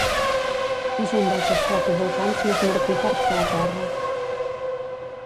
És un dels estratovolcans més mortífers de la Terra.